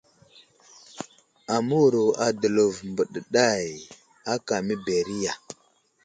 Aməwuro a Dəlov mbeɗeɗay aka aməberiya.